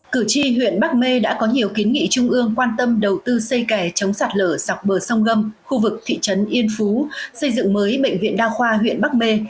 cử tri huyện bắc mê đã có nhiều kiến nghị trung ương quan tâm đầu tư xây kẻ chống sạt lở sọc bờ sông gâm khu vực thị trấn yên phú xây dựng mới bệnh viện đa khoa huyện bắc mê